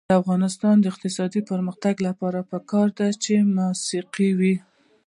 د افغانستان د اقتصادي پرمختګ لپاره پکار ده چې موسیقي وي.